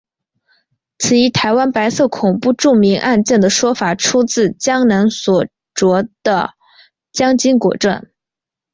此一台湾白色恐怖著名案件的说法出自江南所着的蒋经国传。